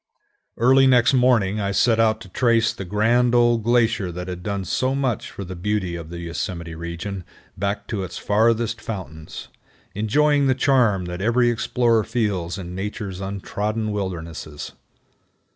Early next morning I set out to trace the grand old glacier that had done so much for the beauty of the Yosemite region back to its farthest fountains, enjoying the charm that every explorer feels in Nature's untrodden wildernesses.